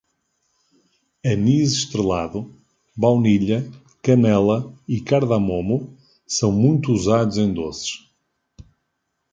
Anis-estrelado, baunilha, canela e cardamomo são muito usados em doces